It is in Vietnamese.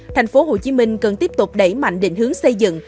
thành phố hồ chí minh cần tiếp tục đẩy mạnh định hướng xây dựng